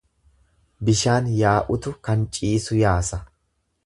Bishaan yaa'utu kan ciisu yaasa.